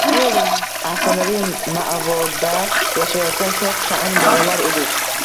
Afsonaviy maʼvoda yashayotgan shoʻx-shaʼn bolalar edik